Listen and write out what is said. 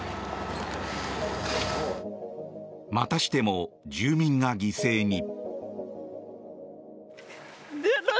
またしても住民が犠牲に。